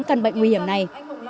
căn bệnh nguy hiểm này